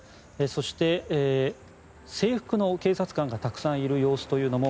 そして、制服の警察官がたくさんいる様子というのも